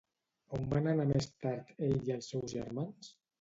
On van anar més tard ell i els seus germans?